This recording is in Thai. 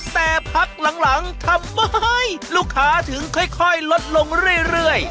แต่พักหลังทำไมลูกค้าถึงค่อยลดลงเรื่อย